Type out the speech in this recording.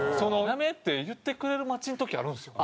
「辞め」って言ってくれる待ちの時あるんですよ。